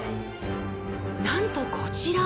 なんとこちら。